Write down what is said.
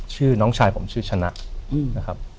น้องชายผมชื่อชนะนะครับ